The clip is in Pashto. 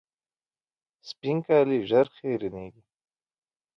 سپین کالي ژر خیرنېږي.